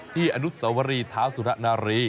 อทุกทวิทยุธาสสุระนารี